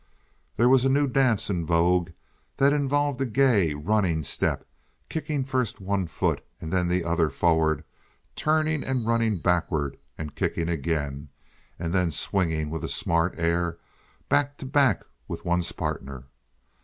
There was a new dance in vogue that involved a gay, running step—kicking first one foot and then the other forward, turning and running backward and kicking again, and then swinging with a smart air, back to back, with one's partner.